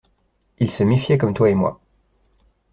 Ils se méfiaient comme toi et moi.